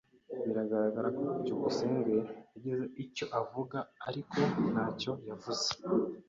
Biragaragara ko byukusenge yagize icyo avuga, ariko ntacyo yavuze.